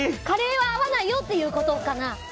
カレーは合わないよっていうことかな？